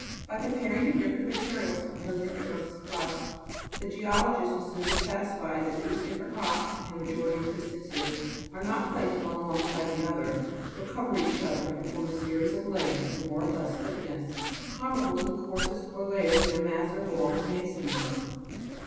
By comparing the different materials composing the earth's crust, the geologist will soon be satisfied that these different rocks, in a majority of instances, are not placed one alongside the other, but cover each other, and form a series of layers, of more or less thickness, comparable to the courses or layers in a mass or wall of mason work.